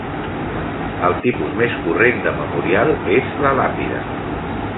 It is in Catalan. El tipus més corrent de memorial és la làpida.